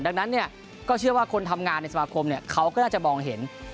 ดังนั้นก็เชื่อว่าคนทำงานในสมาคมเขาก็น่าจะมองเห็น